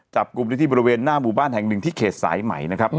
จับกลุ่มได้ที่บริเวณหน้าหมู่บ้านแห่งหนึ่งที่เขตสายใหม่นะครับ